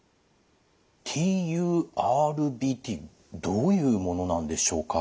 ＴＵＲＢＴどういうものなんでしょうか？